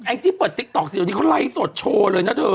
แอ้งจี้เปิดติ๊กต๊อกสิตอนนี้เขาไล่สดโชว์เลยนะเธอ